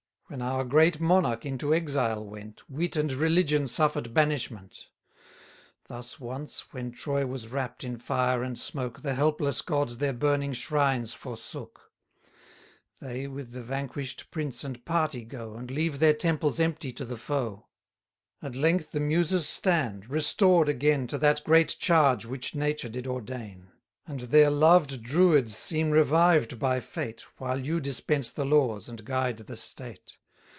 When our great monarch into exile went, Wit and religion suffer'd banishment. Thus once, when Troy was wrapp'd in fire and smoke, The helpless gods their burning shrines forsook; 20 They with the vanquish'd prince and party go, And leave their temples empty to the foe. At length the Muses stand, restored again To that great charge which Nature did ordain; And their loved Druids seem revived by fate, While you dispense the laws, and guide the state.